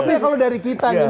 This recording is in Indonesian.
tapi kalau dari kita nih